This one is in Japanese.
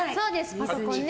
パソコンね。